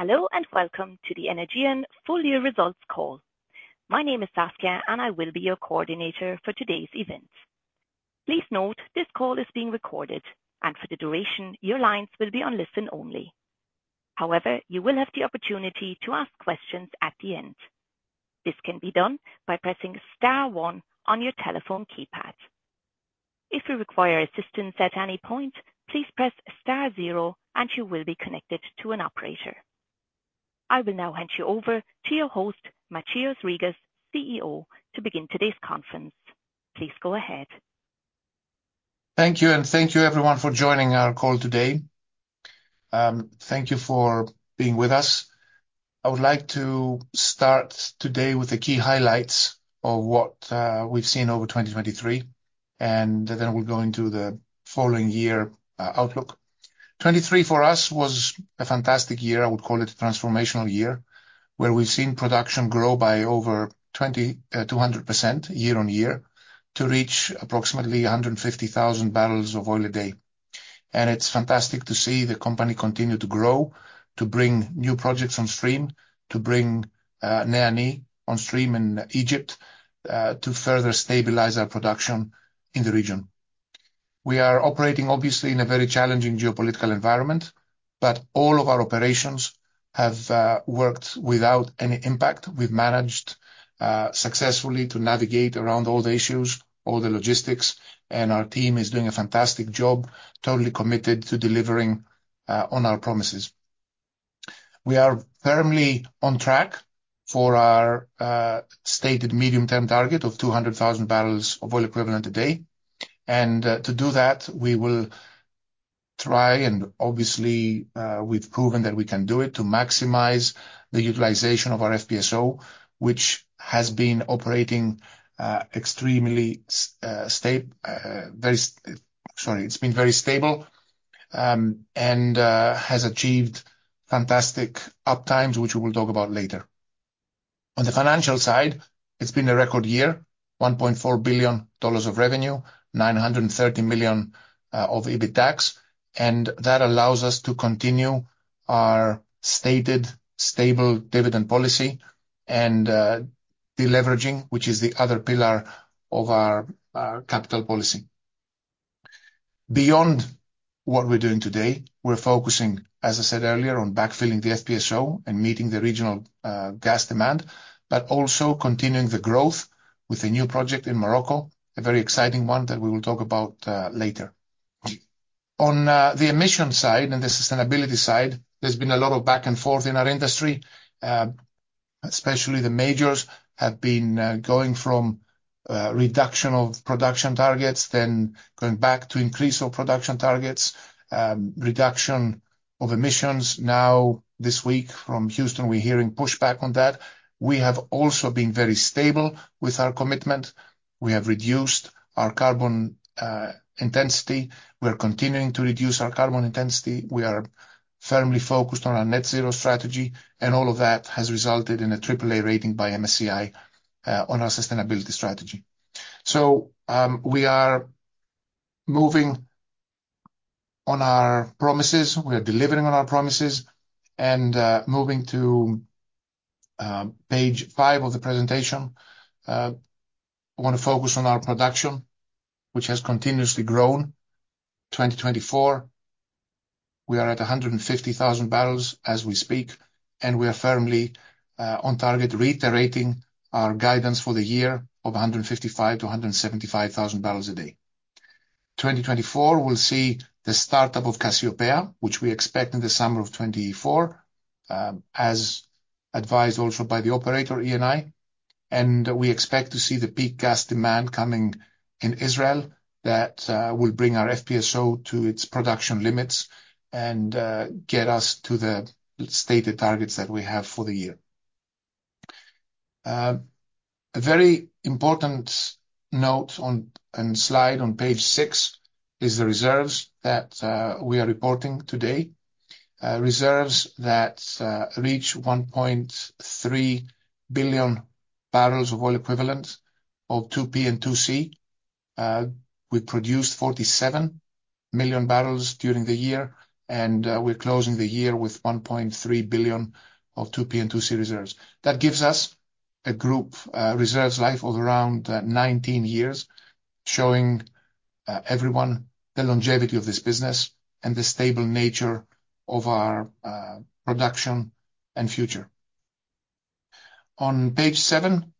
Hello and welcome to the Energean full-year results call. My name is Saskia, and I will be your coordinator for today's event. Please note this call is being recorded, and for the duration your lines will be on listen only. However, you will have the opportunity to ask questions at the end. This can be done by pressing star one on your telephone keypad. If you require assistance at any point, please press star zero and you will be connected to an operator. I will now hand you over to your host, Mathios Rigas, CEO, to begin today's conference. Please go ahead. Thank you, and thank you everyone for joining our call today. Thank you for being with us. I would like to start today with the key highlights of what we've seen over 2023, and then we'll go into the following year outlook. 2023 for us was a fantastic year, I would call it a transformational year, where we've seen production grow by over 200% year-on-year to reach approximately 150,000 bbl of oil a day. And it's fantastic to see the company continue to grow, to bring new projects on stream, to bring NEA/NI on stream in Egypt, to further stabilize our production in the region. We are operating, obviously, in a very challenging geopolitical environment, but all of our operations have worked without any impact. We've managed successfully to navigate around all the issues, all the logistics, and our team is doing a fantastic job, totally committed to delivering on our promises. We are firmly on track for our stated medium-term target of 200,000 bbl of oil equivalent a day. To do that, we will try and, obviously, we've proven that we can do it, to maximize the utilization of our FPSO, which has been operating extremely very stable, and has achieved fantastic uptimes, which we will talk about later. On the financial side, it's been a record year: $1.4 billion of revenue, $930 million of EBITDA, and that allows us to continue our stated stable dividend policy and deleveraging, which is the other pillar of our capital policy. Beyond what we're doing today, we're focusing, as I said earlier, on backfilling the FPSO and meeting the regional gas demand, but also continuing the growth with a new project in Morocco, a very exciting one that we will talk about later. On the emission side and the sustainability side, there's been a lot of back and forth in our industry, especially the majors have been going from reduction of production targets then going back to increase of production targets, reduction of emissions. Now, this week from Houston, we're hearing pushback on that. We have also been very stable with our commitment. We have reduced our carbon intensity. We are continuing to reduce our carbon intensity. We are firmly focused on our net-zero strategy, and all of that has resulted in a AAA rating by MSCI on our sustainability strategy. So, we are moving on our promises. We are delivering on our promises. Moving to page 5 of the presentation, I want to focus on our production, which has continuously grown 2020-2024. We are at 150,000 bbl as we speak, and we are firmly on target, reiterating our guidance for the year of 155,000-175,000 bbl a day. 2020-2024 we'll see the startup of Cassiopea, which we expect in the summer of 2024, as advised also by the operator, Eni. We expect to see the peak gas demand coming in Israel that will bring our FPSO to its production limits and get us to the stated targets that we have for the year. A very important note on a slide on page 6 is the reserves that we are reporting today. Reserves that reach 1.3 billion bbl of oil equivalent of 2P and 2C. We produced 47 million bbl during the year, and we're closing the year with 1.3 billion of 2P and 2C reserves. That gives us a group reserves life of around 19 years, showing everyone the longevity of this business and the stable nature of our production and future. On page 7,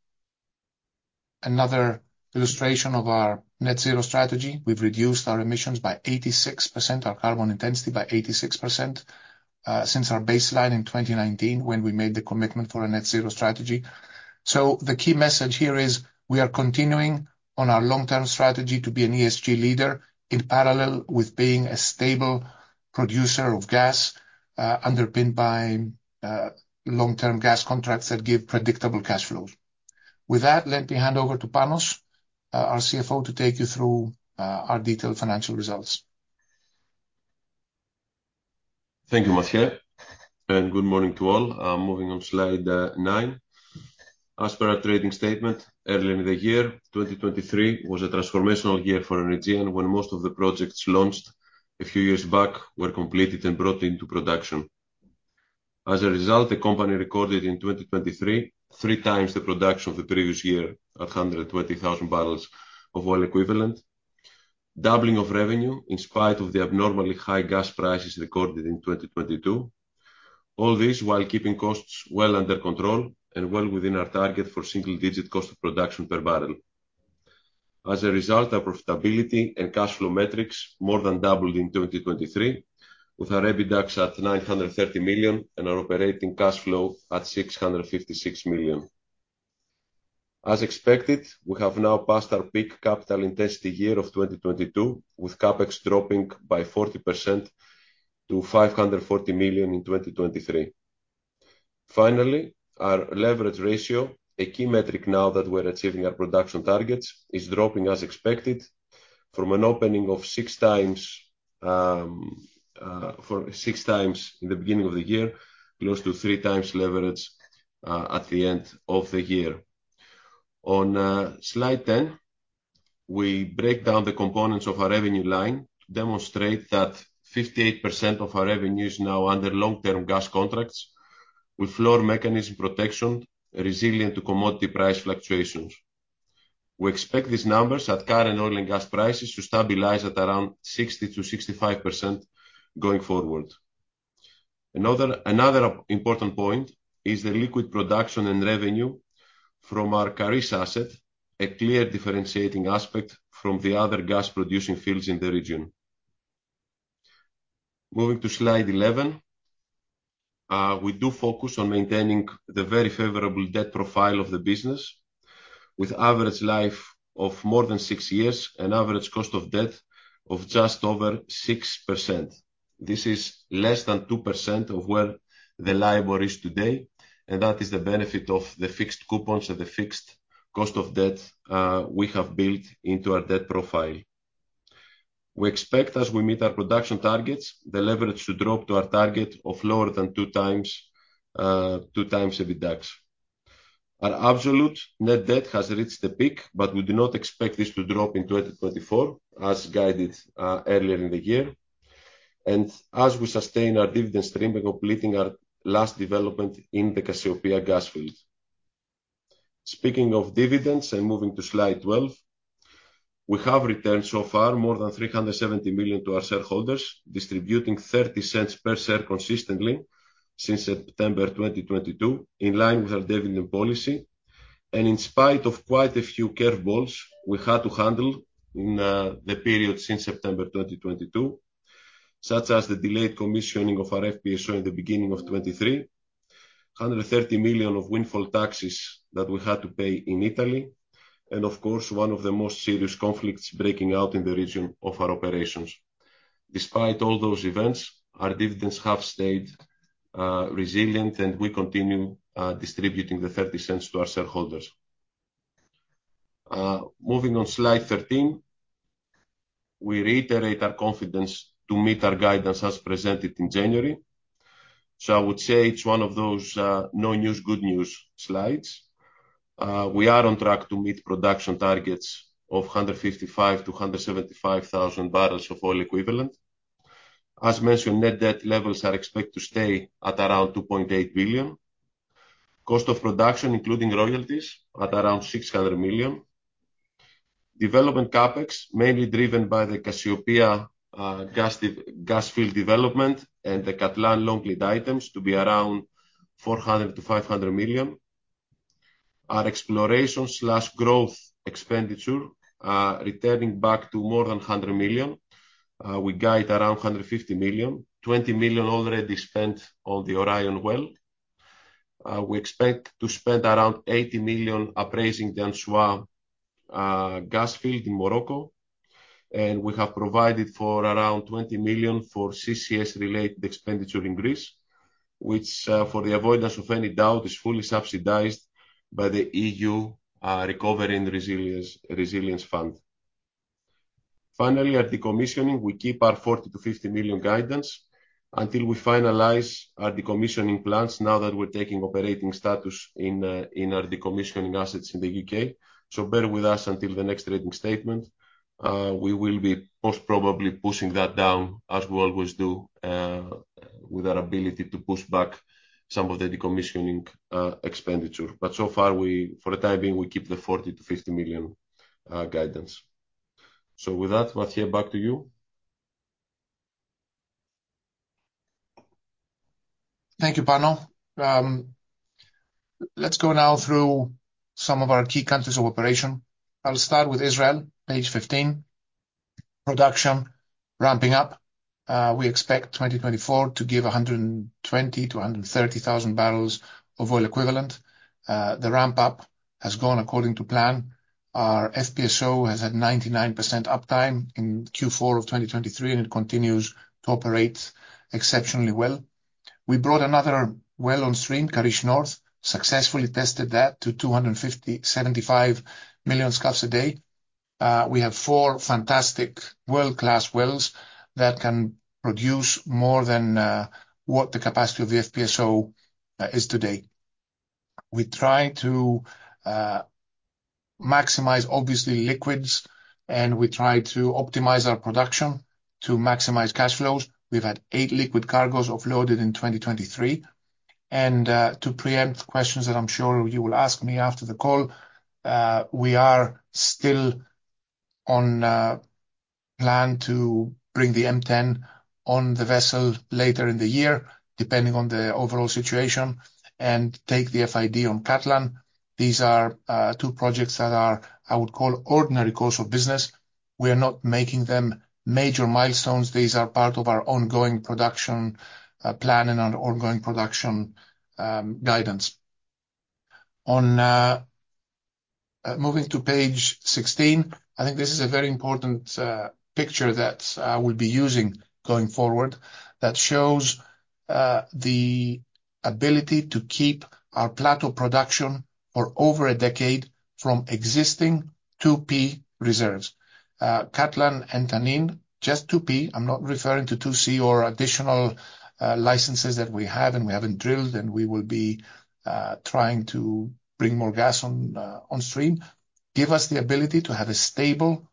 another illustration of our net-zero strategy. We've reduced our emissions by 86%, our carbon intensity by 86%, since our baseline in 2019 when we made the commitment for a net-zero strategy. So the key message here is we are continuing on our long-term strategy to be an ESG leader in parallel with being a stable producer of gas, underpinned by long-term gas contracts that give predictable cash flows. With that, let me hand over to Panos, our CFO, to take you through our detailed financial results. Thank you, Mathios, and good morning to all. I'm moving on slide 9. As per our trading statement, earlier in the year, 2023 was a transformational year for Energean when most of the projects launched a few years back were completed and brought into production. As a result, the company recorded in 2023 three times the production of the previous year at 120,000 bbl of oil equivalent, doubling of revenue in spite of the abnormally high gas prices recorded in 2022, all this while keeping costs well under control and well within our target for single-digit cost of production per barrel. As a result, our profitability and cash flow metrics more than doubled in 2023, with our EBITDA at $930 million and our operating cash flow at $656 million. As expected, we have now passed our peak capital intensity year of 2022, with CapEx dropping by 40% to $540 million in 2023. Finally, our leverage ratio, a key metric now that we're achieving our production targets, is dropping as expected from an opening of 6x, for 6x in the beginning of the year, close to 3x leverage, at the end of the year. On slide 10, we break down the components of our revenue line to demonstrate that 58% of our revenue is now under long-term gas contracts with floor mechanism protection resilient to commodity price fluctuations. We expect these numbers at current oil and gas prices to stabilize at around 60%-65% going forward. Another important point is the liquid production and revenue from our Karish asset, a clear differentiating aspect from the other gas-producing fields in the region. Moving to slide 11, we do focus on maintaining the very favorable debt profile of the business, with average life of more than six years and average cost of debt of just over 6%. This is less than 2% of where the LIBOR is today, and that is the benefit of the fixed coupons and the fixed cost of debt we have built into our debt profile. We expect, as we meet our production targets, the leverage to drop to our target of lower than 2x, 2x EBITDA. Our absolute net debt has reached the peak, but we do not expect this to drop in 2024, as guided earlier in the year, and as we sustain our dividend stream by completing our last development in the Cassiopea gas field. Speaking of dividends and moving to slide 12, we have returned so far more than $370 million to our shareholders, distributing $0.30 per share consistently since September 2022, in line with our dividend policy. In spite of quite a few curveballs we had to handle in the period since September 2022, such as the delayed commissioning of our FPSO in the beginning of 2023, $130 million of windfall taxes that we had to pay in Italy, and of course, one of the most serious conflicts breaking out in the region of our operations. Despite all those events, our dividends have stayed resilient, and we continue distributing the $0.30 to our shareholders. Moving on to slide 13, we reiterate our confidence to meet our guidance as presented in January. So I would say it's one of those no news, good news slides. We are on track to meet production targets of 155,000 bbl-175,000 bbl of oil equivalent. As mentioned, net debt levels are expected to stay at around $2.8 billion. Cost of production, including royalties, at around $600 million. Development CapEx, mainly driven by the Cassiopea gas field development and the Katlan long lead items, to be around $400-$500 million. Our exploration/growth expenditure, returning back to more than $100 million, we guide around $150 million. $20 million already spent on the Orion well. We expect to spend around $80 million appraising the Anchois gas field in Morocco, and we have provided for around $20 million for CCS-related expenditure in Greece, which, for the avoidance of any doubt, is fully subsidized by the EU Recovery and Resilience Facility. Finally, at decommissioning, we keep our $40 million-$50 million guidance until we finalize our decommissioning plans now that we're taking operating status in, in our decommissioning assets in the U.K. So bear with us until the next trading statement. We will be most probably pushing that down, as we always do, with our ability to push back some of the decommissioning expenditure. But so far, we for the time being, we keep the $40 million-$50 million guidance. So with that, Mathios, back to you. Thank you, Pano. Let's go now through some of our key countries of operation. I'll start with Israel, page 15. Production ramping up. We expect 2024 to give 120,000 bbl-130,000 bbl of oil equivalent. The ramp-up has gone according to plan. Our FPSO has had 99% uptime in Q4 of 2023, and it continues to operate exceptionally well. We brought another well on stream, Karish North, successfully tested that to 275 million scf a day. We have four fantastic world-class wells that can produce more than what the capacity of the FPSO is today. We try to maximize, obviously, liquids, and we try to optimize our production to maximize cash flows. We've had eight liquid cargoes offloaded in 2023. To preempt questions that I'm sure you will ask me after the call, we are still on plan to bring the M10 on the vessel later in the year, depending on the overall situation, and take the FID on Katlan. These are two projects that are, I would call, ordinary course of business. We are not making them major milestones. These are part of our ongoing production plan and our ongoing production guidance. Moving to page 16, I think this is a very important picture that we'll be using going forward that shows the ability to keep our plateau production for over a decade from existing 2P reserves. Katlan and Tanin, just 2P. I'm not referring to 2C or additional licenses that we have, and we haven't drilled, and we will be trying to bring more gas on stream. Give us the ability to have a stable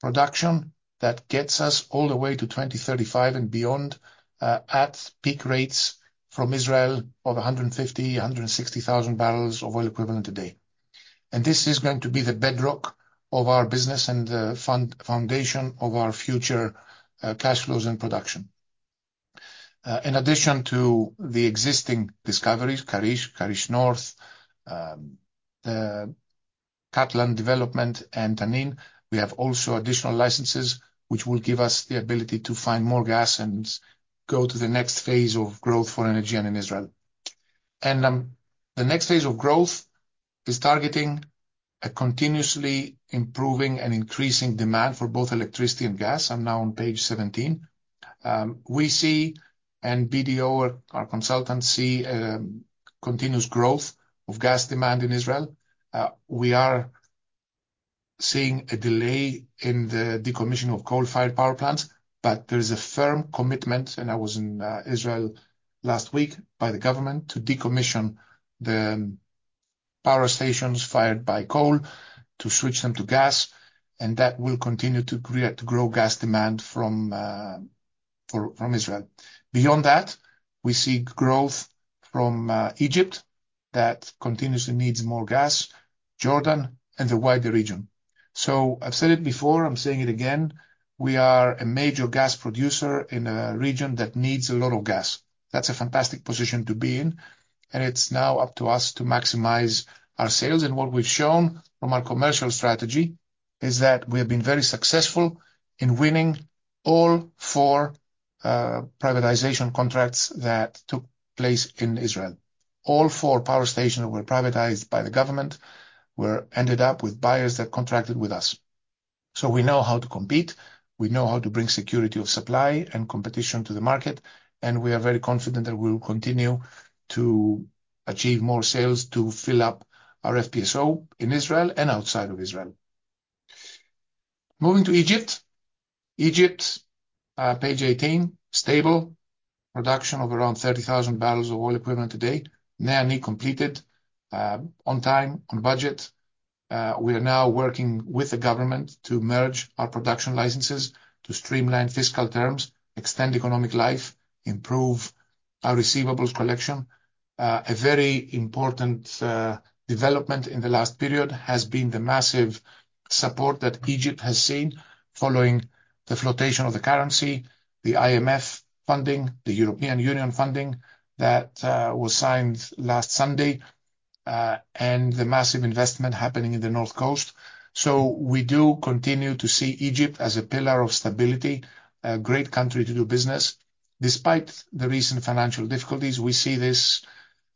production that gets us all the way to 2035 and beyond, at peak rates from Israel of 150,000-160,000 bbl of oil equivalent a day. And this is going to be the bedrock of our business and the foundation of our future, cash flows and production. In addition to the existing discoveries, Karish, Karish North, the Katlan development and Tanin, we have also additional licenses which will give us the ability to find more gas and go to the next phase of growth for Energean in Israel. And, the next phase of growth is targeting a continuously improving and increasing demand for both electricity and gas. I'm now on page 17. We see and BDO, our consultant, see, continuous growth of gas demand in Israel. We are seeing a delay in the decommissioning of coal-fired power plants, but there is a firm commitment, and I was in Israel last week by the government, to decommission the power stations fired by coal, to switch them to gas, and that will continue to create to grow gas demand from, from Israel. Beyond that, we see growth from Egypt that continuously needs more gas, Jordan, and the wider region. So I've said it before. I'm saying it again. We are a major gas producer in a region that needs a lot of gas. That's a fantastic position to be in, and it's now up to us to maximize our sales. And what we've shown from our commercial strategy is that we have been very successful in winning all four privatization contracts that took place in Israel. All four power stations were privatized by the government. We ended up with buyers that contracted with us. So we know how to compete. We know how to bring security of supply and competition to the market, and we are very confident that we will continue to achieve more sales to fill up our FPSO in Israel and outside of Israel. Moving to Egypt. Egypt, page 18, stable production of around 30,000 bbl of oil equivalent a day, nearly completed, on time, on budget. We are now working with the government to merge our production licenses to streamline fiscal terms, extend economic life, improve our receivables collection. A very important development in the last period has been the massive support that Egypt has seen following the flotation of the currency, the IMF funding, the European Union funding that was signed last Sunday, and the massive investment happening in the North Coast. So we do continue to see Egypt as a pillar of stability, a great country to do business. Despite the recent financial difficulties, we see this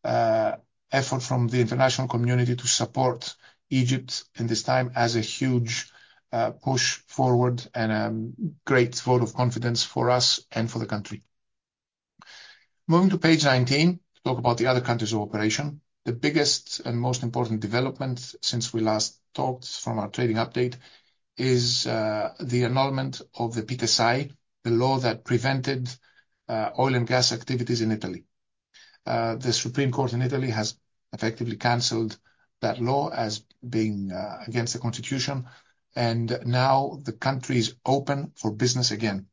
effort from the international community to support Egypt in this time as a huge push forward and a great vote of confidence for us and for the country. Moving to page 19 to talk about the other countries of operation, the biggest and most important development since we last talked from our trading update is the annulment of the PiTESAI, the law that prevented oil and gas activities in Italy. The Supreme Court in Italy has effectively canceled that law as being against the constitution, and now the country is open for business again.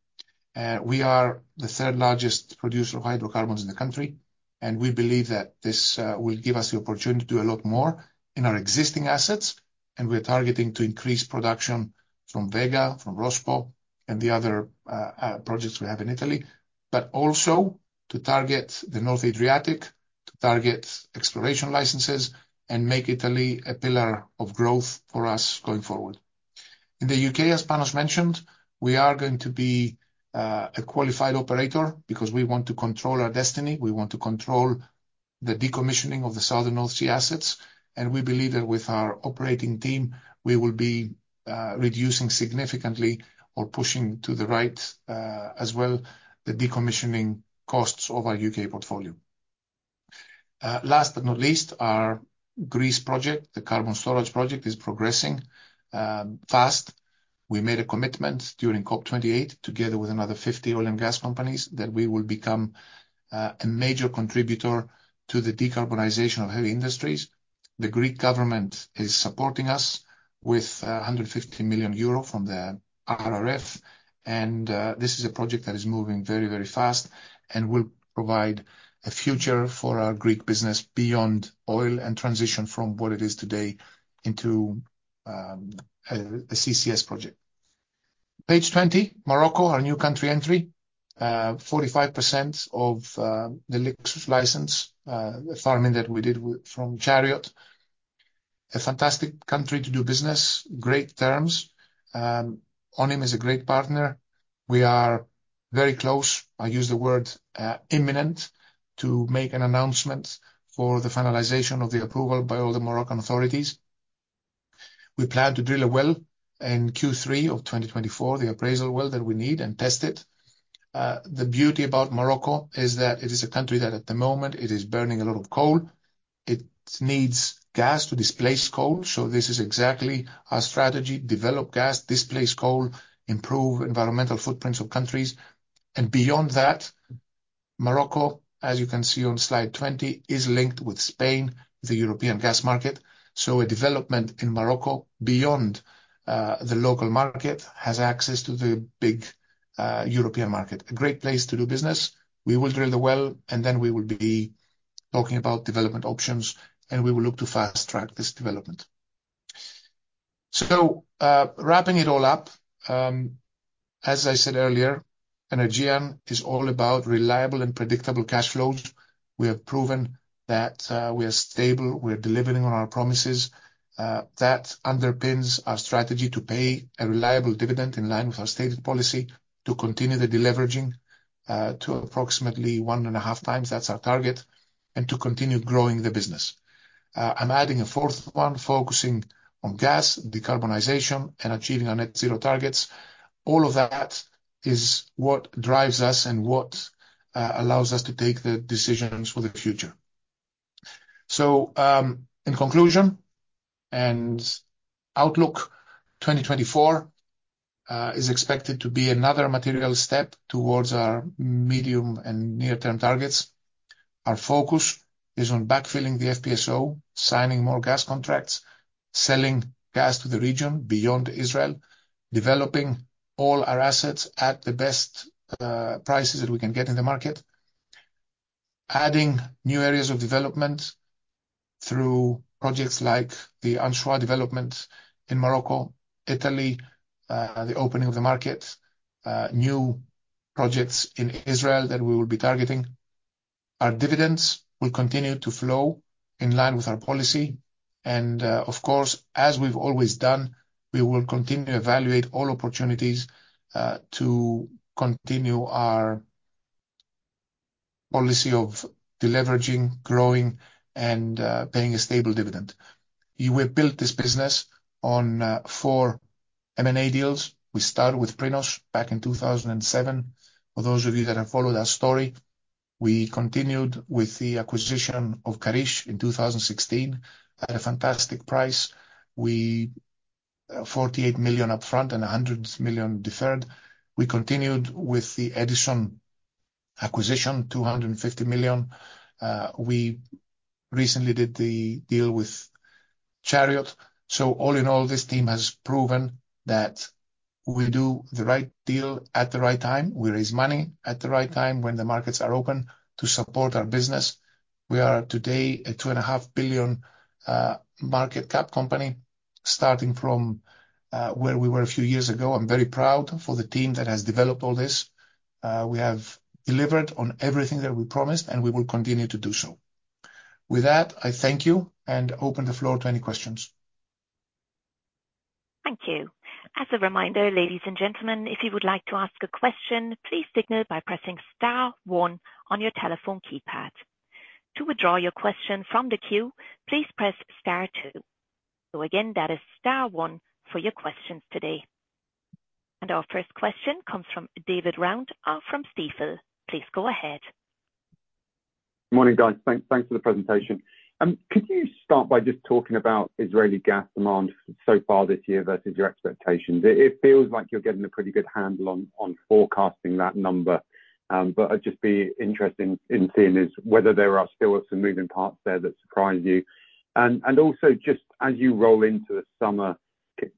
We are the third largest producer of hydrocarbons in the country, and we believe that this will give us the opportunity to do a lot more in our existing assets, and we are targeting to increase production from Vega, from Rospo, and the other projects we have in Italy, but also to target the North Adriatic, to target exploration licenses, and make Italy a pillar of growth for us going forward. In the U.K., as Panos mentioned, we are going to be a qualified operator because we want to control our destiny. We want to control the decommissioning of the Southern North Sea assets, and we believe that with our operating team, we will be reducing significantly or pushing to the right, as well, the decommissioning costs of our U.K. portfolio. Last but not least, our Greece project, the carbon storage project, is progressing fast. We made a commitment during COP28 together with another 50 oil and gas companies that we will become a major contributor to the decarbonization of heavy industries. The Greek government is supporting us with 150 million euro from the RRF, and this is a project that is moving very, very fast and will provide a future for our Greek business beyond oil and transition from what it is today into a CCS project. Page 20, Morocco, our new country entry, 45% of the licence, the farm-in that we did with Chariot. A fantastic country to do business, great terms. ONHYM is a great partner. We are very close. I use the word imminent to make an announcement for the finalization of the approval by all the Moroccan authorities. We plan to drill a well in Q3 of 2024, the appraisal well that we need, and test it. The beauty about Morocco is that it is a country that at the moment is burning a lot of coal. It needs gas to displace coal. So this is exactly our strategy: develop gas, displace coal, improve environmental footprints of countries. And beyond that, Morocco, as you can see on slide 20, is linked with Spain, the European gas market. So a development in Morocco beyond the local market has access to the big European market, a great place to do business. We will drill the well, and then we will be talking about development options, and we will look to fast-track this development. So, wrapping it all up, as I said earlier, Energean is all about reliable and predictable cash flows. We have proven that, we are stable. We are delivering on our promises. that underpins our strategy to pay a reliable dividend in line with our stated policy, to continue the deleveraging to approximately 1.5x. That's our target, and to continue growing the business. I'm adding a fourth one focusing on gas, decarbonization, and achieving our Net Zero targets. All of that is what drives us and what allows us to take the decisions for the future. So, in conclusion and outlook, 2024 is expected to be another material step towards our medium- and near-term targets. Our focus is on backfilling the FPSO, signing more gas contracts, selling gas to the region beyond Israel, developing all our assets at the best prices that we can get in the market, adding new areas of development through projects like the Anchois development in Morocco, Italy, the opening of the market, new projects in Israel that we will be targeting. Our dividends will continue to flow in line with our policy. Of course, as we've always done, we will continue to evaluate all opportunities, to continue our policy of deleveraging, growing, and paying a stable dividend. We built this business on four M&A deals. We started with Prinos back in 2007. For those of you that have followed our story, we continued with the acquisition of Karish in 2016 at a fantastic price. We $48 million upfront and $100 million deferred. We continued with the Edison acquisition, $250 million. We recently did the deal with Chariot. So all in all, this team has proven that we do the right deal at the right time. We raise money at the right time when the markets are open to support our business. We are today a $2.5 billion market cap company starting from where we were a few years ago. I'm very proud for the team that has developed all this. We have delivered on everything that we promised, and we will continue to do so. With that, I thank you and open the floor to any questions. Thank you. As a reminder, ladies and gentlemen, if you would like to ask a question, please signal by pressing star one on your telephone keypad. To withdraw your question from the queue, please press star two. So again, that is star one for your questions today. Our first question comes from David Round from Stifel. Please go ahead. Morning, guys. Thanks for the presentation. Could you start by just talking about Israeli gas demand so far this year versus your expectations? It feels like you're getting a pretty good handle on forecasting that number. But I'd just be interested in seeing whether there are still some moving parts there that surprise you. And also just as you roll into the summer,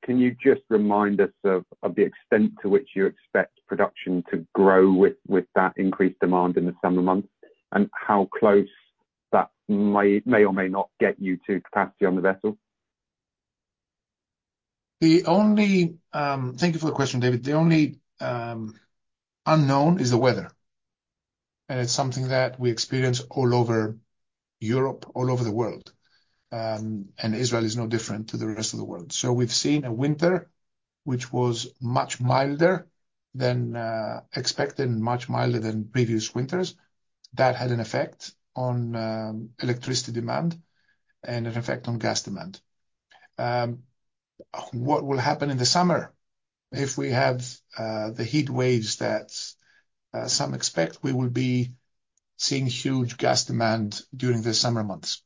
can you just remind us of the extent to which you expect production to grow with that increased demand in the summer months and how close that may or may not get you to capacity on the vessel? Thank you for the question, David. The only unknown is the weather. And it's something that we experience all over Europe, all over the world. And Israel is no different to the rest of the world. So we've seen a winter which was much milder than expected, much milder than previous winters. That had an effect on electricity demand and an effect on gas demand. What will happen in the summer? If we have the heat waves that some expect, we will be seeing huge gas demand during the summer months.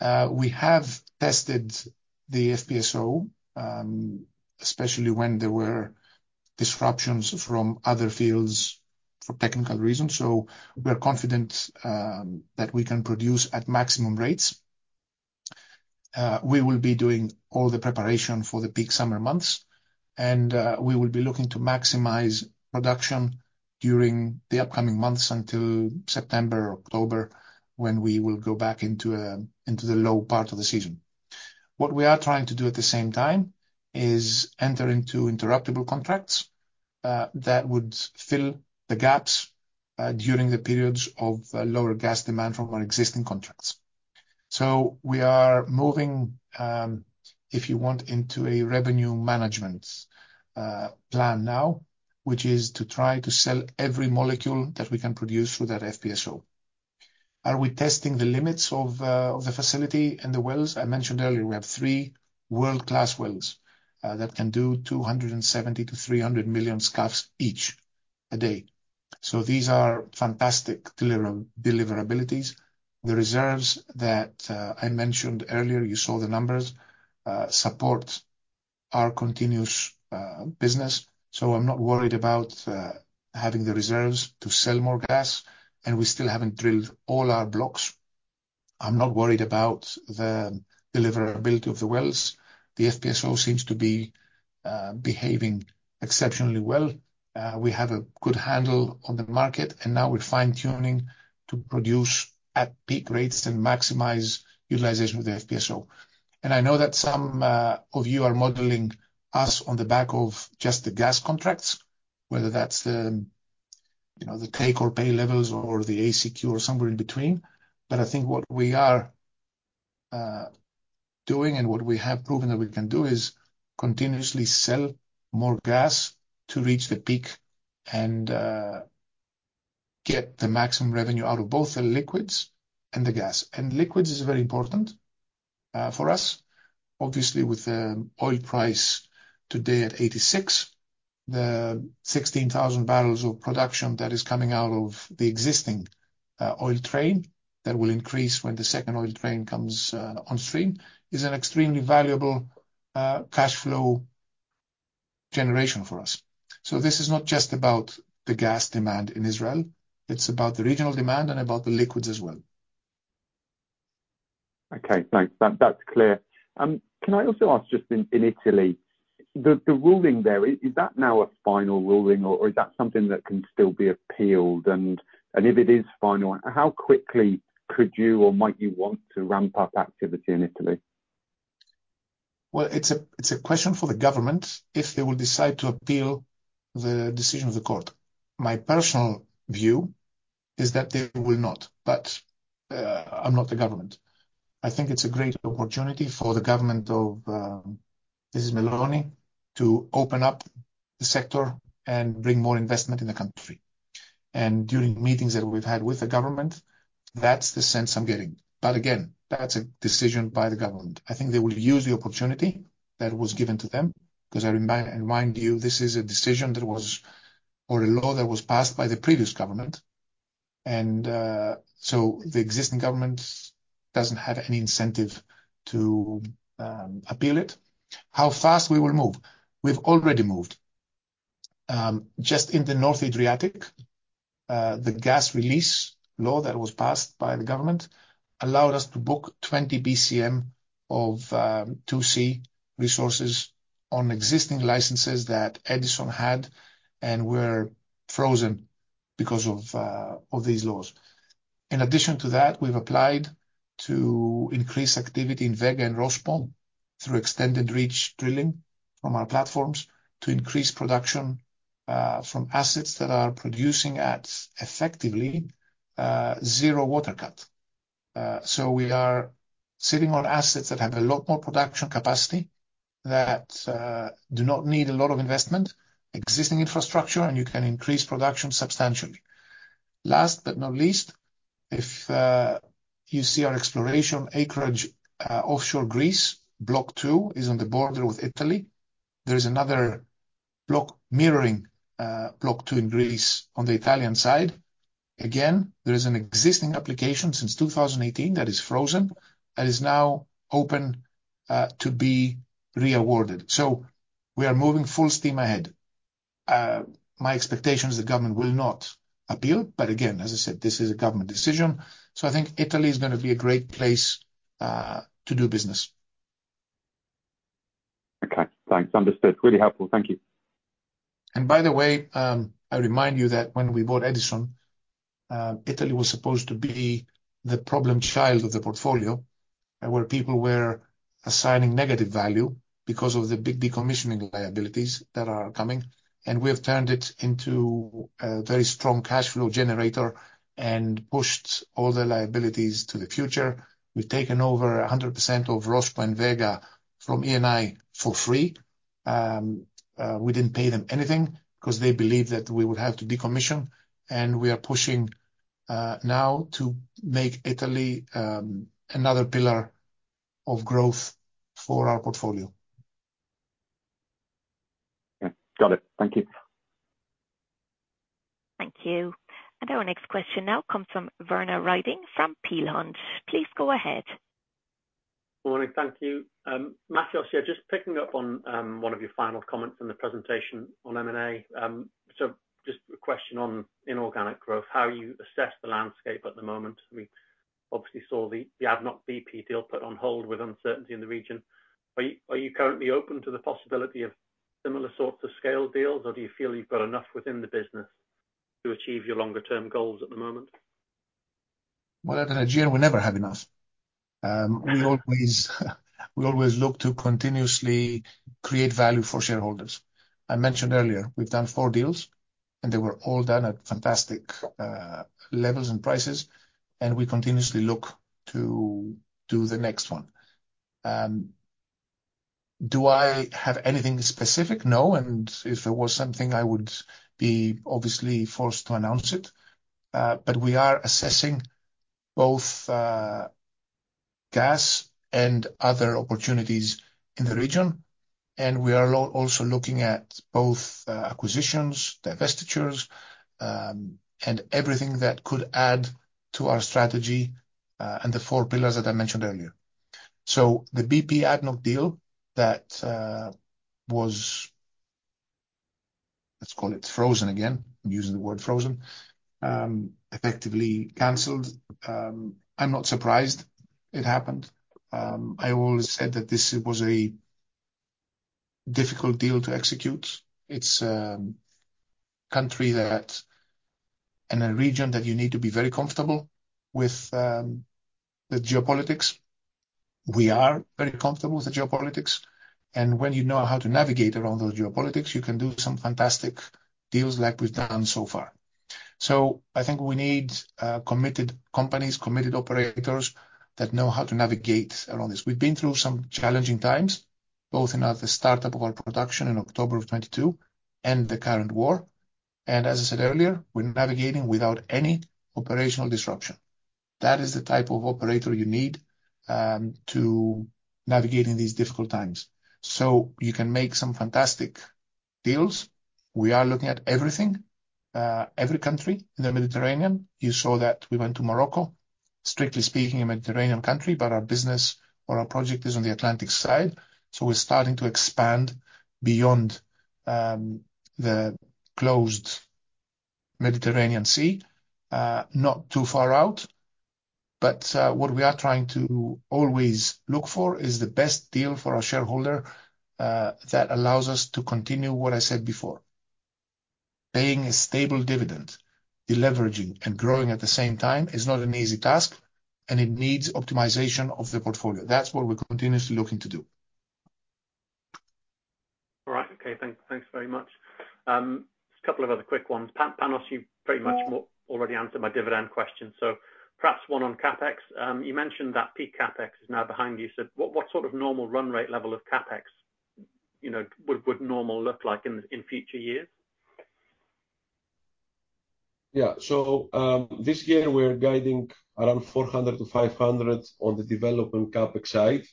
We have tested the FPSO, especially when there were disruptions from other fields for technical reasons. So we are confident that we can produce at maximum rates. We will be doing all the preparation for the peak summer months, and we will be looking to maximize production during the upcoming months until September or October when we will go back into the low part of the season. What we are trying to do at the same time is enter into interruptible contracts that would fill the gaps during the periods of lower gas demand from our existing contracts. So we are moving, if you want, into a revenue management plan now, which is to try to sell every molecule that we can produce through that FPSO. Are we testing the limits of the facility and the wells? I mentioned earlier we have three world-class wells that can do 270-300 million scf each a day. So these are fantastic deliverabilities. The reserves that I mentioned earlier, you saw the numbers, support our continuous business. So I'm not worried about having the reserves to sell more gas, and we still haven't drilled all our blocks. I'm not worried about the deliverability of the wells. The FPSO seems to be behaving exceptionally well. We have a good handle on the market, and now we're fine-tuning to produce at peak rates and maximize utilization of the FPSO. And I know that some of you are modeling us on the back of just the gas contracts, whether that's the, you know, the take or pay levels or the ACQ or somewhere in between. But I think what we are doing and what we have proven that we can do is continuously sell more gas to reach the peak and get the maximum revenue out of both the liquids and the gas. And liquids is very important for us. Obviously, with the oil price today at $86, the 16,000 bbl of production that is coming out of the existing oil train that will increase when the second oil train comes on stream is an extremely valuable cash flow generation for us. So this is not just about the gas demand in Israel. It's about the regional demand and about the liquids as well. Okay. Thanks. That's clear. Can I also ask just in Italy, the ruling there, is that now a final ruling or is that something that can still be appealed? If it is final, how quickly could you or might you want to ramp up activity in Italy? Well, it's a question for the government if they will decide to appeal the decision of the court. My personal view is that they will not, but I'm not the government. I think it's a great opportunity for the government of Mrs. Meloni to open up the sector and bring more investment in the country. During meetings that we've had with the government, that's the sense I'm getting. But again, that's a decision by the government. I think they will use the opportunity that was given to them because I remind you this is a decision that was or a law that was passed by the previous government. So the existing government doesn't have any incentive to appeal it. How fast we will move? We've already moved. Just in the North Adriatic, the gas release law that was passed by the government allowed us to book 20 BCM of 2C resources on existing licenses that Edison had and were frozen because of these laws. In addition to that, we've applied to increase activity in Vega and Rospo through extended reach drilling from our platforms to increase production from assets that are producing at effectively zero water cut. So we are sitting on assets that have a lot more production capacity that do not need a lot of investment, existing infrastructure, and you can increase production substantially. Last but not least, if you see our exploration acreage offshore Greece, block two is on the border with Italy. There is another block mirroring block two in Greece on the Italian side. Again, there is an existing application since 2018 that is frozen that is now open to be reawarded. We are moving full steam ahead. My expectation is the government will not appeal. But again, as I said, this is a government decision. I think Italy is going to be a great place to do business. Okay. Thanks. Understood. Really helpful. Thank you. And by the way, I remind you that when we bought Edison, Italy was supposed to be the problem child of the portfolio where people were assigning negative value because of the big decommissioning liabilities that are coming. And we have turned it into a very strong cash flow generator and pushed all the liabilities to the future. We've taken over 100% of Rospo and Vega from Eni for free. We didn't pay them anything because they believed that we would have to decommission. And we are pushing now to make Italy another pillar of growth for our portfolio. Got it. Thank you. Thank you. Our next question now comes from Werner Riding from Peel Hunt. Please go ahead. Good morning. Thank you. Mathios, yeah, just picking up on one of your final comments in the presentation on M&A. So just a question on inorganic growth. How do you assess the landscape at the moment? We obviously saw the ADNOC BP deal put on hold with uncertainty in the region. Are you currently open to the possibility of similar sorts of scale deals, or do you feel you've got enough within the business to achieve your longer-term goals at the moment? Well, at Energean, we never have enough. We always look to continuously create value for shareholders. I mentioned earlier, we've done four deals, and they were all done at fantastic levels and prices. And we continuously look to do the next one. Do I have anything specific? No. If there was something, I would be obviously forced to announce it. We are assessing both gas and other opportunities in the region. We are also looking at both acquisitions, divestitures, and everything that could add to our strategy and the four pillars that I mentioned earlier. The BP ADNOC deal that was, let's call it frozen again. I'm using the word frozen, effectively cancelled. I'm not surprised it happened. I always said that this was a difficult deal to execute. It's a country and a region that you need to be very comfortable with the geopolitics. We are very comfortable with the geopolitics. When you know how to navigate around those geopolitics, you can do some fantastic deals like we've done so far. I think we need committed companies, committed operators that know how to navigate around this. We've been through some challenging times, both in the startup of our production in October of 2022 and the current war. As I said earlier, we're navigating without any operational disruption. That is the type of operator you need to navigate in these difficult times. You can make some fantastic deals. We are looking at everything, every country in the Mediterranean. You saw that we went to Morocco, strictly speaking, a Mediterranean country, but our business or our project is on the Atlantic side. We're starting to expand beyond the closed Mediterranean Sea, not too far out. What we are trying to always look for is the best deal for our shareholder that allows us to continue what I said before. Paying a stable dividend, deleveraging, and growing at the same time is not an easy task, and it needs optimization of the portfolio. That's what we're continuously looking to do. All right. Okay. Thanks very much. Just a couple of other quick ones. Panos, you've pretty much already answered my dividend question. So perhaps one on CapEx. You mentioned that peak CapEx is now behind you. So what sort of normal run rate level of CapEx would normal look like in future years? Yeah. So this year, we're guiding around $400 million-$500 million on the development CapEx side.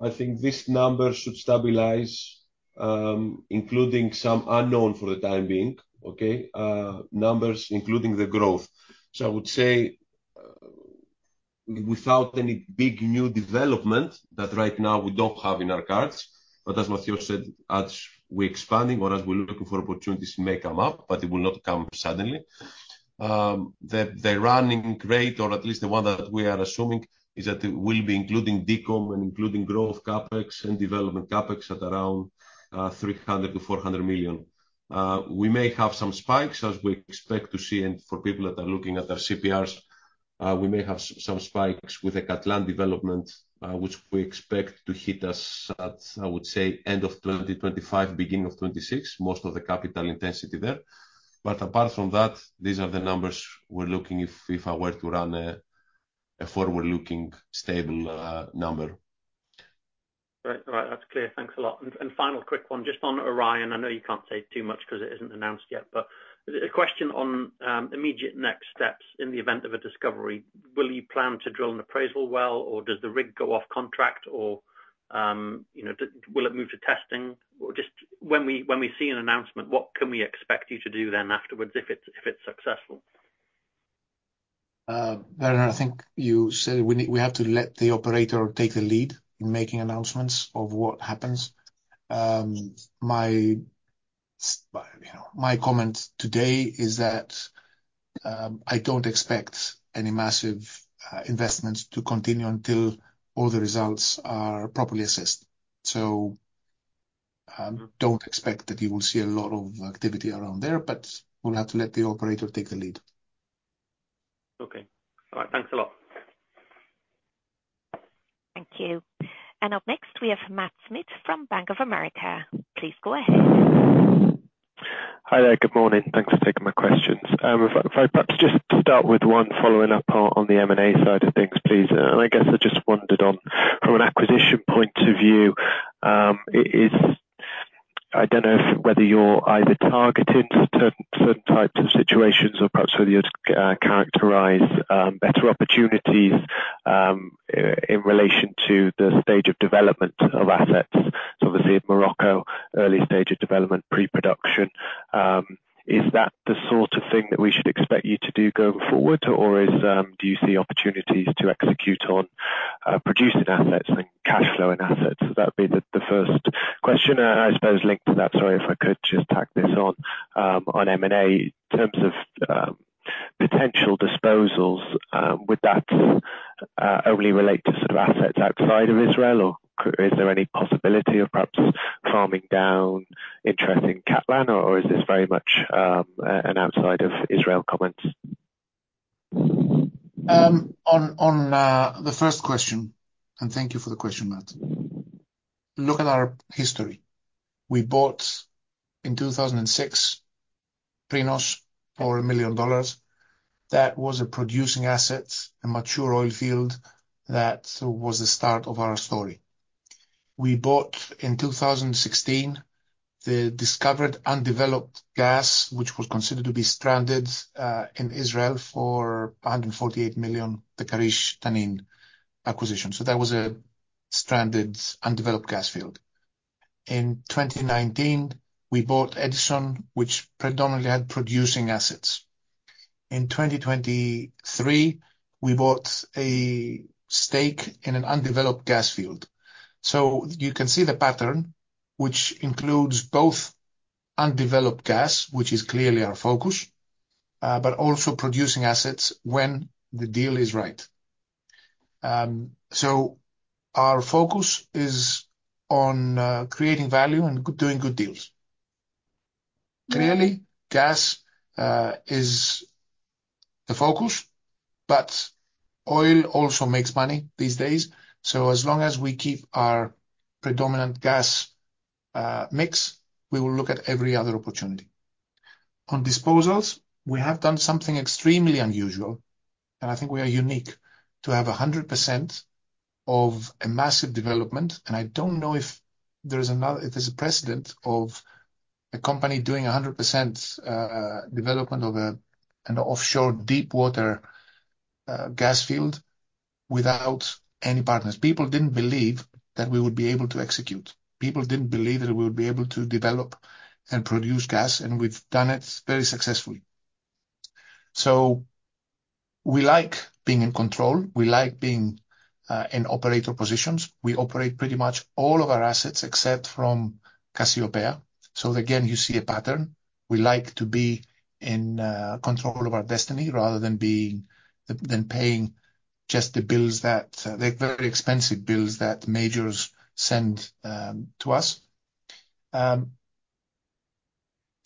I think this number should stabilize, including some unknown for the time being, okay, numbers including the growth. So I would say without any big new development that right now we don't have in our cards. But as Mathios said, as we're expanding or as we're looking for opportunities, may come up, but it will not come suddenly. The running rate, or at least the one that we are assuming, is that it will be including DCOM and including growth CapEx and development CapEx at around $300 million-$400 million. We may have some spikes as we expect to see. And for people that are looking at our CPRs, we may have some spikes with the Katlan development, which we expect to hit us at, I would say, end of 2025, beginning of 2026, most of the capital intensity there. But apart from that, these are the numbers we're looking if I were to run a forward-looking stable number. Right. All right. That's clear. Thanks a lot. And final quick one, just on Orion. I know you can't say too much because it isn't announced yet, but a question on immediate next steps in the event of a discovery. Will you plan to drill an appraisal well, or does the rig go off contract, or will it move to testing? Or just when we see an announcement, what can we expect you to do then afterwards if it's successful? Werner, I think you said we have to let the operator take the lead in making announcements of what happens. My comment today is that I don't expect any massive investments to continue until all the results are properly assessed. So don't expect that you will see a lot of activity around there, but we'll have to let the operator take the lead. Okay. All right. Thanks a lot. Thank you. And up next, we have Matt Smith from Bank of America. Please go ahead. Hi there. Good morning. Thanks for taking my questions. If I perhaps just start with one following up on the M&A side of things, please. And I guess I just wondered, from an acquisition point of view, I don't know whether you're either targeting certain types of situations or perhaps whether you'd characterize better opportunities in relation to the stage of development of assets. So obviously, in Morocco, early stage of development, pre-production. Is that the sort of thing that we should expect you to do going forward, or do you see opportunities to execute on producing assets and cash flowing assets? So that'd be the first question, I suppose, linked to that. Sorry if I could just tack this on. On M&A, in terms of potential disposals, would that only relate to sort of assets outside of Israel, or is there any possibility of perhaps farming down interest in Katlan, or is this very much an outside of Israel comment? On the first question, and thank you for the question, Matt. Look at our history. We bought in 2006 Prinos for $1 million. That was a producing asset, a mature oil field that was the start of our story. We bought in 2016 the discovered undeveloped gas, which was considered to be stranded in Israel for $148 million, the Karish-Tanin acquisition. So that was a stranded, undeveloped gas field. In 2019, we bought Edison, which predominantly had producing assets. In 2023, we bought a stake in an undeveloped gas field. So you can see the pattern, which includes both undeveloped gas, which is clearly our focus, but also producing assets when the deal is right. So our focus is on creating value and doing good deals. Clearly, gas is the focus, but oil also makes money these days. So as long as we keep our predominant gas mix, we will look at every other opportunity. On disposals, we have done something extremely unusual, and I think we are unique to have 100% of a massive development. I don't know if there is a precedent of a company doing 100% development of an offshore deepwater gas field without any partners. People didn't believe that we would be able to execute. People didn't believe that we would be able to develop and produce gas, and we've done it very successfully. So we like being in control. We like being in operator positions. We operate pretty much all of our assets except from Cassiopea. So again, you see a pattern. We like to be in control of our destiny rather than paying just the bills, the very expensive bills that majors send to us.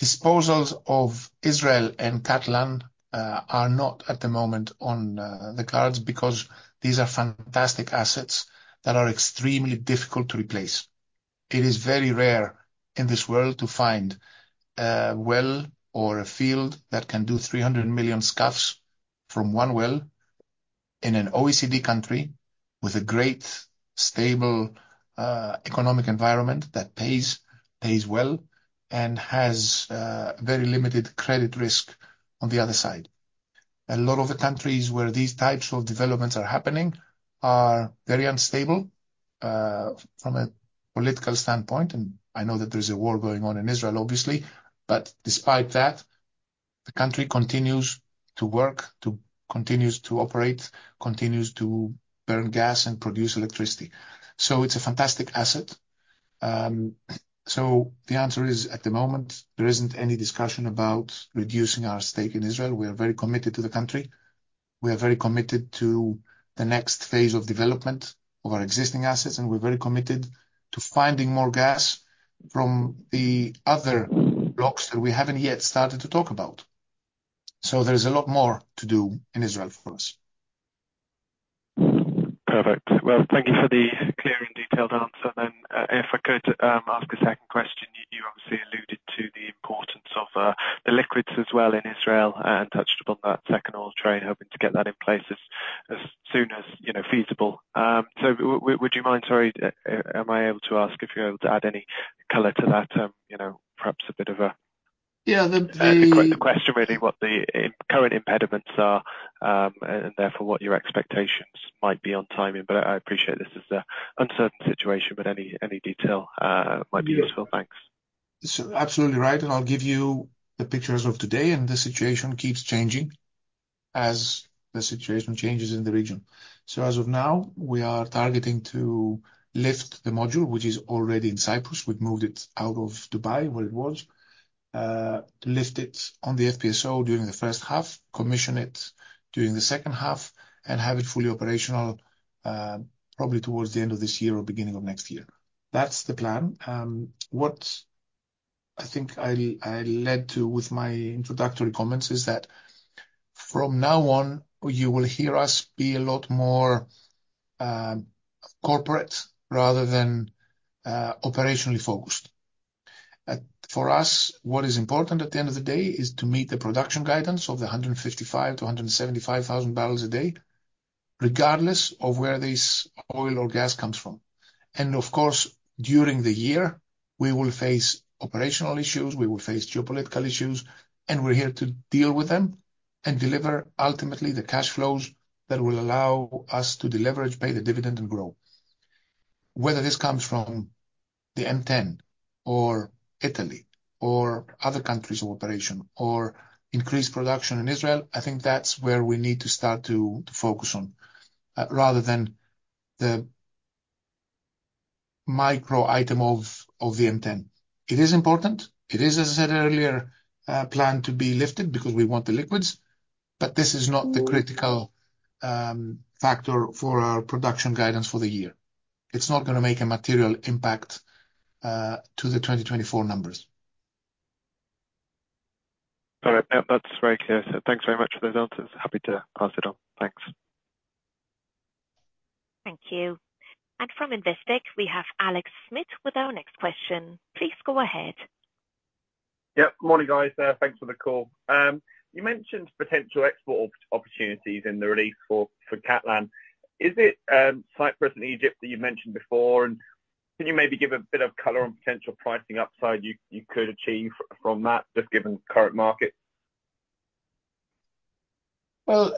Disposals of Israel and Katlan are not at the moment on the cards because these are fantastic assets that are extremely difficult to replace. It is very rare in this world to find a well or a field that can do 300 million scf from one well in an OECD country with a great, stable economic environment that pays well and has very limited credit risk on the other side. A lot of the countries where these types of developments are happening are very unstable from a political standpoint. I know that there's a war going on in Israel, obviously. But despite that, the country continues to work, continues to operate, continues to burn gas and produce electricity. So it's a fantastic asset. So the answer is, at the moment, there isn't any discussion about reducing our stake in Israel. We are very committed to the country. We are very committed to the next phase of development of our existing assets, and we're very committed to finding more gas from the other blocks that we haven't yet started to talk about. So there's a lot more to do in Israel for us. Perfect. Well, thank you for the clear and detailed answer. Then if I could ask a second question, you obviously alluded to the importance of the liquids as well in Israel and touched upon that second oil train, hoping to get that in place as soon as feasible. So would you mind? Sorry. Am I able to ask if you're able to add any color to that, perhaps a bit of a? Yeah. The question, really, what the current impediments are and therefore what your expectations might be on timing. But I appreciate this is an uncertain situation, but any detail might be useful. Thanks. Absolutely right. I'll give you the pictures of today. The situation keeps changing as the situation changes in the region. As of now, we are targeting to lift the module, which is already in Cyprus. We've moved it out of Dubai, where it was, to lift it on the FPSO during the first half, commission it during the second half, and have it fully operational probably towards the end of this year or beginning of next year. That's the plan. What I think I led to with my introductory comments is that from now on, you will hear us be a lot more corporate rather than operationally focused. For us, what is important at the end of the day is to meet the production guidance of the 155,000 bbl-175,000 bbl a day, regardless of where this oil or gas comes from. Of course, during the year, we will face operational issues. We will face geopolitical issues. We're here to deal with them and deliver, ultimately, the cash flows that will allow us to deleverage, pay the dividend, and grow. Whether this comes from the M10 or Italy or other countries of operation or increased production in Israel, I think that's where we need to start to focus on rather than the micro item of the M10. It is important. It is, as I said earlier, planned to be lifted because we want the liquids. But this is not the critical factor for our production guidance for the year. It's not going to make a material impact to the 2024 numbers. All right. That's very clear. Thanks very much for those answers. Happy to pass it on. Thanks. Thank you. From Investec, we have Alex Smith with our next question. Please go ahead. Yep. Morning, guys. Thanks for the call. You mentioned potential export opportunities in the release for Katlan. Is it Cyprus and Egypt that you mentioned before? And can you maybe give a bit of color on potential pricing upside you could achieve from that, just given current markets? Well,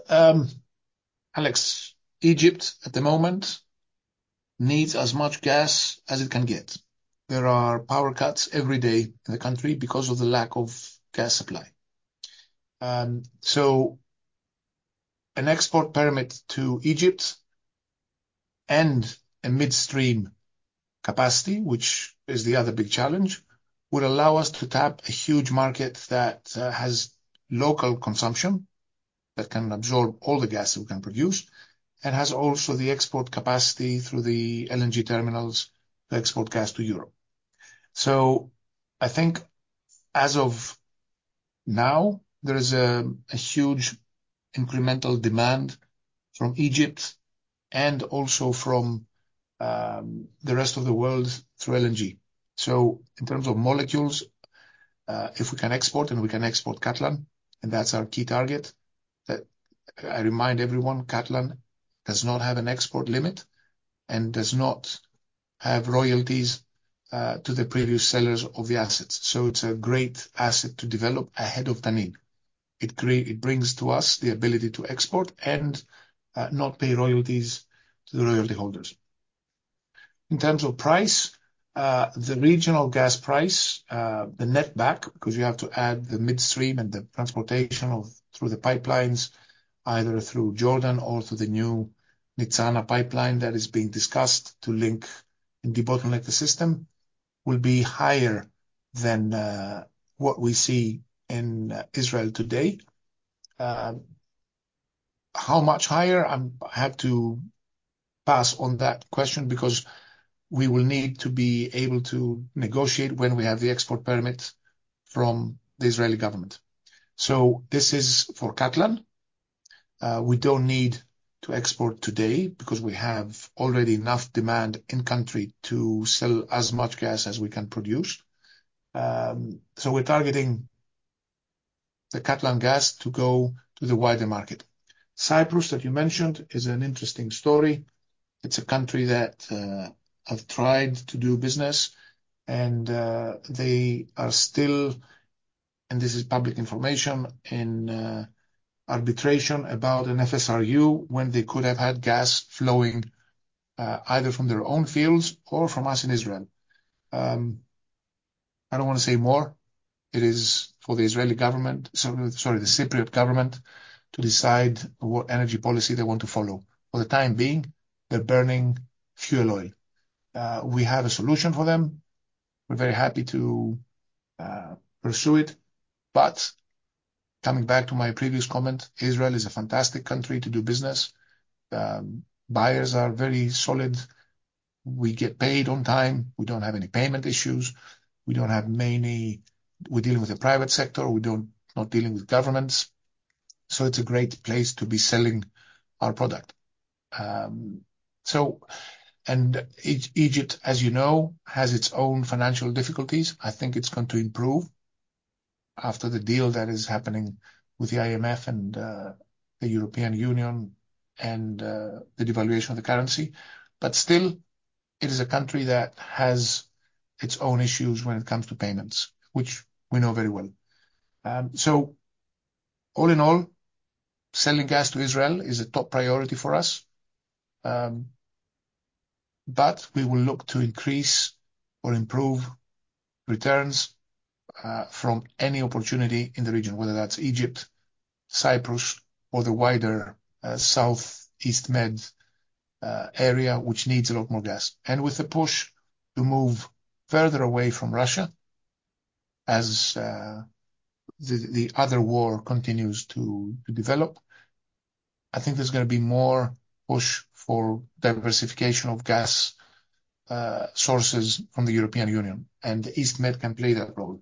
Alex, Egypt at the moment needs as much gas as it can get. There are power cuts every day in the country because of the lack of gas supply. So an export permit to Egypt and a midstream capacity, which is the other big challenge, would allow us to tap a huge market that has local consumption that can absorb all the gas that we can produce and has also the export capacity through the LNG terminals to export gas to Europe. So I think as of now, there is a huge incremental demand from Egypt and also from the rest of the world through LNG. So in terms of molecules, if we can export, and we can export Katlan, and that's our key target. I remind everyone, Katlan does not have an export limit and does not have royalties to the previous sellers of the assets. So it's a great asset to develop ahead of Tanin. It brings to us the ability to export and not pay royalties to the royalty holders. In terms of price, the regional gas price, the net back, because you have to add the midstream and the transportation through the pipelines, either through Jordan or through the new Nitzana pipeline that is being discussed to link in the bottleneck of the system, will be higher than what we see in Israel today. How much higher? I have to pass on that question because we will need to be able to negotiate when we have the export permit from the Israeli government. So this is for Katlan. We don't need to export today because we have already enough demand in country to sell as much gas as we can produce. So we're targeting the Katlan gas to go to the wider market. Cyprus, that you mentioned, is an interesting story. It's a country that have tried to do business, and they are still, and this is public information, in arbitration about an FSRU when they could have had gas flowing either from their own fields or from us in Israel. I don't want to say more. It is for the Israeli government, sorry, the Cypriot government, to decide what energy policy they want to follow. For the time being, they're burning fuel oil. We have a solution for them. We're very happy to pursue it. But coming back to my previous comment, Israel is a fantastic country to do business. Buyers are very solid. We get paid on time. We don't have any payment issues. We're dealing with the private sector. We're not dealing with governments. So it's a great place to be selling our product. And Egypt, as you know, has its own financial difficulties. I think it's going to improve after the deal that is happening with the IMF and the European Union and the devaluation of the currency. But still, it is a country that has its own issues when it comes to payments, which we know very well. So all in all, selling gas to Israel is a top priority for us. But we will look to increase or improve returns from any opportunity in the region, whether that's Egypt, Cyprus, or the wider Southeast Med area, which needs a lot more gas. And with the push to move further away from Russia as the other war continues to develop, I think there's going to be more push for diversification of gas sources from the European Union. And the East Med can play that role.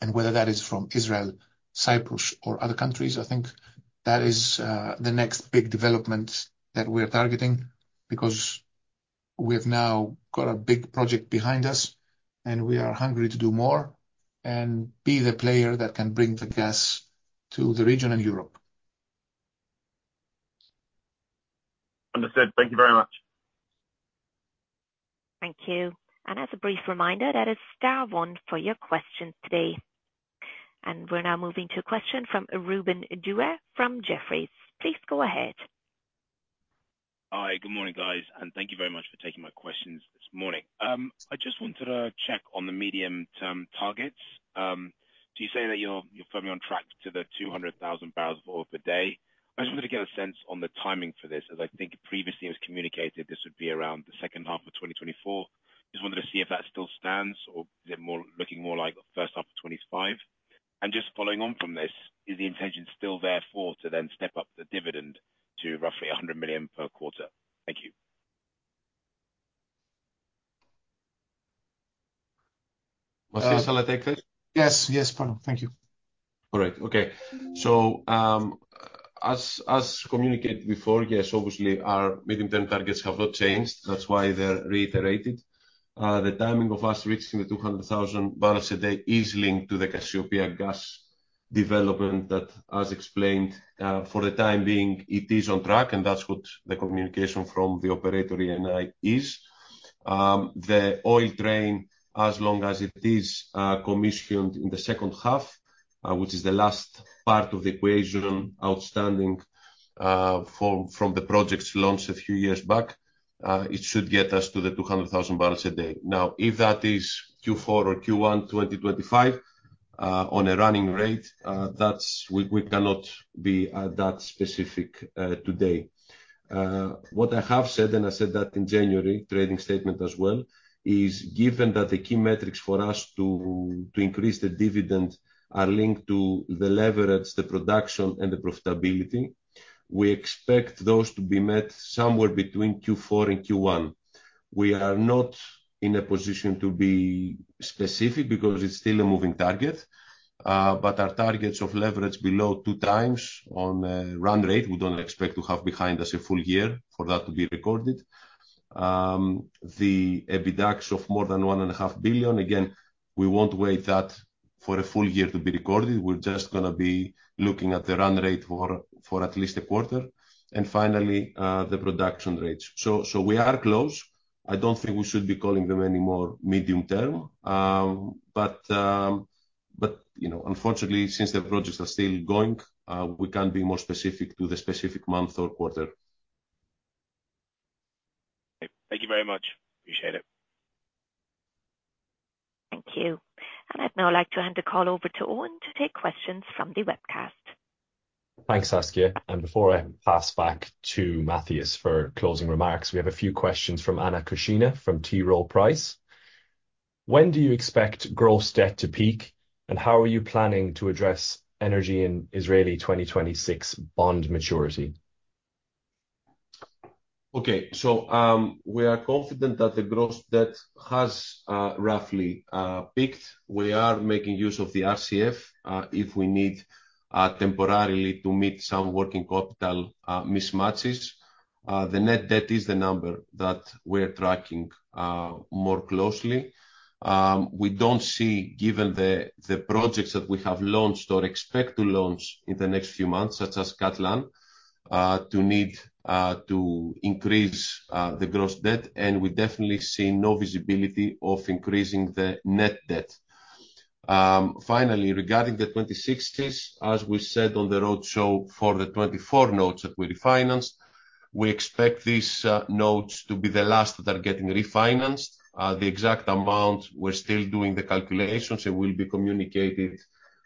And whether that is from Israel, Cyprus, or other countries, I think that is the next big development that we are targeting because we have now got a big project behind us, and we are hungry to do more and be the player that can bring the gas to the region and Europe. Understood. Thank you very much. Thank you. And as a brief reminder, that is hour one for your questions today. We're now moving to a question from Ruben Devine from Jefferies. Please go ahead. Hi. Good morning, guys. And thank you very much for taking my questions this morning. I just wanted to check on the medium-term targets. So you say that you're firmly on track to the 200,000 bbl of oil per day. I just wanted to get a sense on the timing for this. As I think previously it was communicated, this would be around the second half of 2024. Just wanted to see if that still stands, or is it looking more like the first half of 2025? And just following on from this, is the intention still therefore to then step up the dividend to roughly $100 million per quarter? Thank you. Mathios Rigas, yes. Yes, Pano. Thank you. All right. Okay. So as communicated before, yes, obviously, our medium-term targets have not changed. That's why they're reiterated. The timing of us reaching the 200,000 bbl a day is linked to the Cassiopea gas development that, as explained, for the time being, it is on track, and that's what the communication from the operator and I is. The oil train, as long as it is commissioned in the second half, which is the last part of the equation outstanding from the projects launched a few years back, it should get us to the 200,000 bbl a day. Now, if that is Q4 or Q1 2025 on a running rate, we cannot be that specific today. What I have said, and I said that in January trading statement as well, is given that the key metrics for us to increase the dividend are linked to the leverage, the production, and the profitability, we expect those to be met somewhere between Q4 and Q1. We are not in a position to be specific because it's still a moving target. But our targets of leverage below 2x on run rate, we don't expect to have behind us a full year for that to be recorded. The EBITDA of more than $1.5 billion, again, we won't wait for a full year to be recorded. We're just going to be looking at the run rate for at least a quarter. And finally, the production rates. So we are close. I don't think we should be calling them anymore medium-term. But unfortunately, since the projects are still going, we can't be more specific to the specific month or quarter. Thank you very much. Appreciate it. Thank you. And I'd now like to hand the call over to Owen to take questions from the webcast. Thanks, Saskia. And before I pass back to Mathios for closing remarks, we have a few questions from Anna Kushnir from T. Rowe Price. When do you expect gross debt to peak, and how are you planning to address Energean Israeli 2026 bond maturity? Okay. So we are confident that the gross debt has roughly peaked. We are making use of the RCF if we need temporarily to meet some working capital mismatches. The net debt is the number that we are tracking more closely. We don't see, given the projects that we have launched or expect to launch in the next few months, such as Katlan, to need to increase the gross debt. And we definitely see no visibility of increasing the net debt. Finally, regarding the 2026s, as we said on the roadshow for the 2024 notes that we refinanced, we expect these notes to be the last that are getting refinanced. The exact amount, we're still doing the calculations. It will be communicated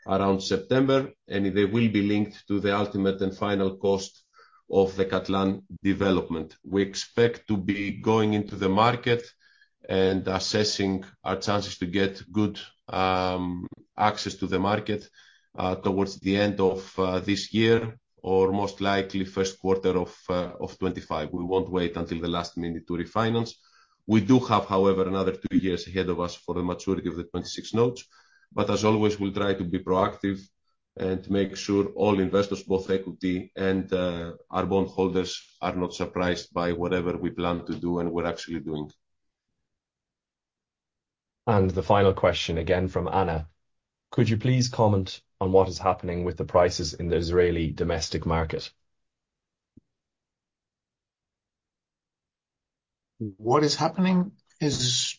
around September, and they will be linked to the ultimate and final cost of the Katlan development. We expect to be going into the market and assessing our chances to get good access to the market towards the end of this year or most likely first quarter of 2025. We won't wait until the last minute to refinance. We do have, however, another two years ahead of us for the maturity of the 2026 notes. But as always, we'll try to be proactive and make sure all investors, both equity and our bond holders, are not surprised by whatever we plan to do and we're actually doing. The final question again from Anna. Could you please comment on what is happening with the prices in the Israeli domestic market? What is happening is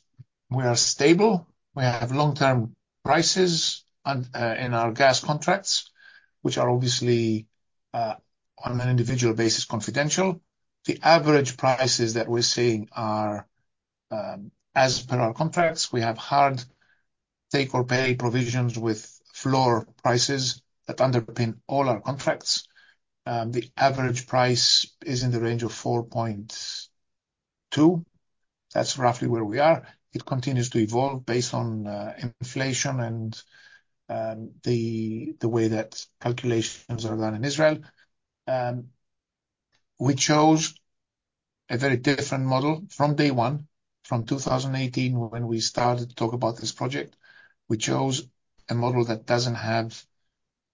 we are stable. We have long-term prices in our gas contracts, which are obviously on an individual basis confidential. The average prices that we're seeing are as per our contracts. We have hard take-or-pay provisions with floor prices that underpin all our contracts. The average price is in the range of $4.2. That's roughly where we are. It continues to evolve based on inflation and the way that calculations are done in Israel. We chose a very different model from day one, from 2018, when we started to talk about this project. We chose a model that doesn't have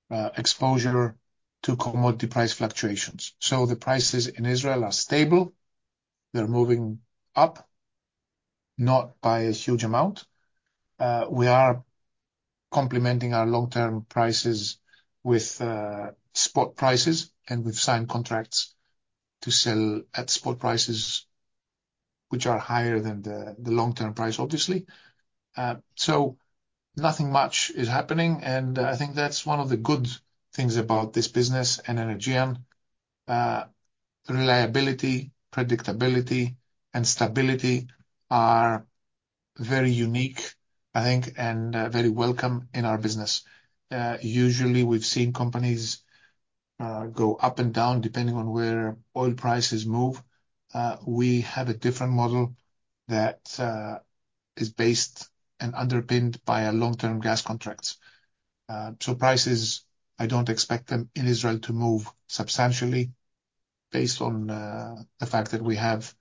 exposure to commodity price fluctuations. So the prices in Israel are stable. They're moving up, not by a huge amount. We are complementing our long-term prices with spot prices, and we've signed contracts to sell at spot prices, which are higher than the long-term price, obviously. So nothing much is happening. And I think that's one of the good things about this business and Energean. Reliability, predictability, and stability are very unique, I think, and very welcome in our business. Usually, we've seen companies go up and down depending on where oil prices move. We have a different model that is based and underpinned by long-term gas contracts. So prices, I don't expect them in Israel to move substantially based on the fact that we have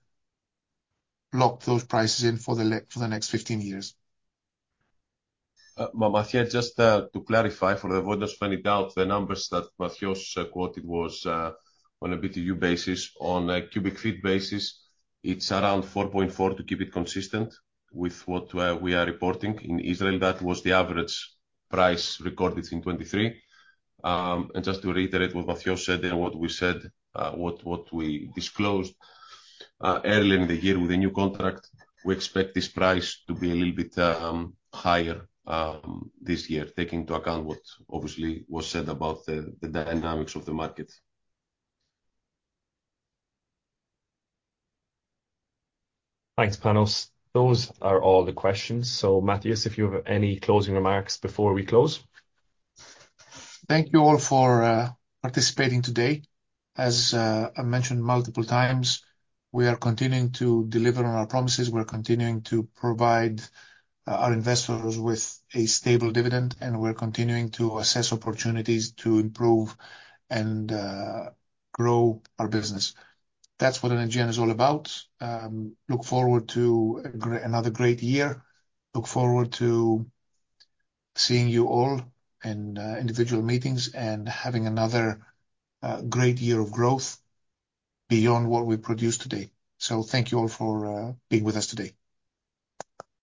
locked those prices in for the next 15 years. Mathios, just to clarify for the avoidance of any doubt, the numbers that Mathios quoted was on a BTU basis. On a cubic feet basis, it's around $4.4 to keep it consistent with what we are reporting. In Israel, that was the average price recorded in 2023. And just to reiterate what Mathios said and what we said, what we disclosed earlier in the year with the new contract, we expect this price to be a little bit higher this year, taking into account what obviously was said about the dynamics of the market. Thanks, Panos. Those are all the questions. So Mathios, if you have any closing remarks before we close. Thank you all for participating today. As I mentioned multiple times, we are continuing to deliver on our promises. We're continuing to provide our investors with a stable dividend, and we're continuing to assess opportunities to improve and grow our business. That's what Energean is all about. Look forward to another great year. Look forward to seeing you all in individual meetings and having another great year of growth beyond what we produced today. Thank you all for being with us today.